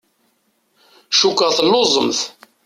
Cukkeɣ telluẓemt.